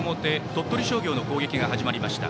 鳥取商業の攻撃が始まりました。